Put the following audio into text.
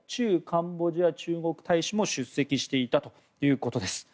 カンボジア中国大使も出席したということです。